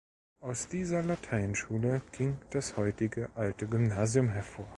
Aus dieser Lateinschule ging das heutige Alte Gymnasium hervor.